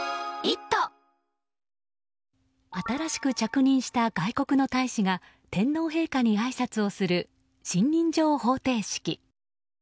新しく着任した外国の大使が天皇陛下にあいさつをする信任状捧呈式。